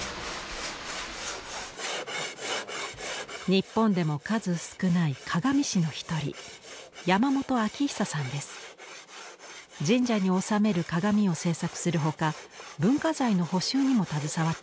日本でも数少ない鏡師の一人神社に納める鏡を制作する他文化財の補修にも携わっています。